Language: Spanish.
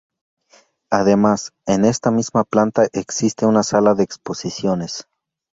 Además, en esta misma planta existe una sala de exposiciones.